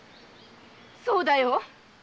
そうだよ。